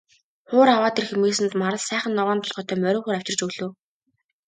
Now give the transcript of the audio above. Хуур аваад ир хэмээсэнд Марал сайхан ногоон толгойтой морин хуур авчирч өглөө.